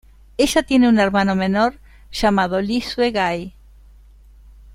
Ella tiene un hermano menor llamado, Lee Sue-gai.